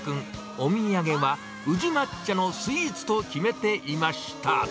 お土産は、宇治抹茶のスイーツと決めていました。